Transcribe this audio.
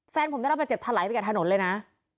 แฟนผมได้รับบาดเจ็บทะไหลไปกับถนนเลยนะ